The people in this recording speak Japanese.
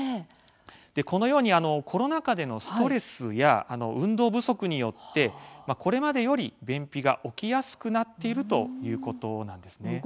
このようにコロナ禍でのストレスや運動不足によってこれまでより便秘が起きやすくなっているということなんですね。